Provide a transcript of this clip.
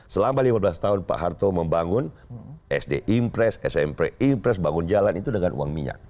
selama lima belas tahun pak harto membangun sd impres smp impres bangun jalan itu dengan uang minyak